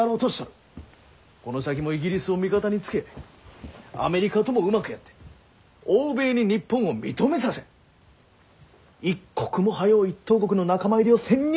この先もイギリスを味方につけアメリカともうまくやって欧米に日本を認めさせ一刻も早う一等国の仲間入りをせんにゃならんのじゃ。